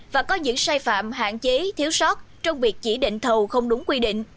và có những sai phạm hạn chế thiếu sót trong việc chỉ định thầu không đúng quy định